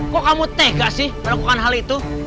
kok kamu tega sih melakukan hal itu